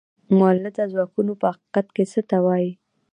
مؤلده ځواکونه په حقیقت کې څه ته وايي؟